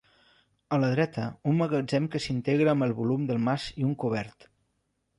A la dreta, un magatzem que s'integra amb el volum del mas i un cobert.